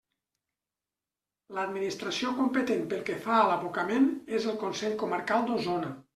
L'administració competent pel que fa a l'abocament és el Consell Comarcal d'Osona.